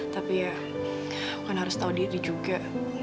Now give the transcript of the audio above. tapi ya kan harus tahu diri juga